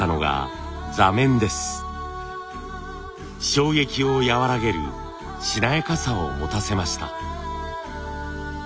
衝撃を和らげるしなやかさを持たせました。